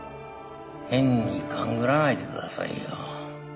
変に勘繰らないでくださいよ。